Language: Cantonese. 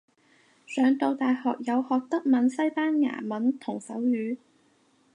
上到大學有學德文西班牙文同手語